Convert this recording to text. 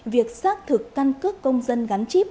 việc xác thực căn cức công dân gắn chip